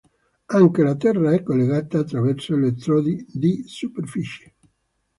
Anche la terra è collegata attraverso elettrodi di superficie.